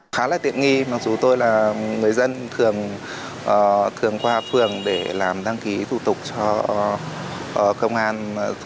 khá là tiện nghi mặc dù tôi là người dân thường qua phường để làm đăng ký thủ tục cho công an